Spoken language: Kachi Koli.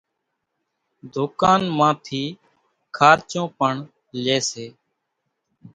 ڌُوڪان مان ٿي کارچون پڻ لئي سي،